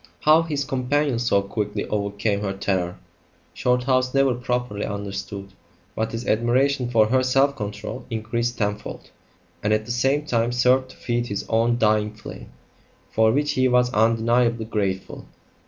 How his companion so quickly overcame her terror, Shorthouse never properly understood; but his admiration for her self control increased tenfold, and at the same time served to feed his own dying flame for which he was undeniably grateful.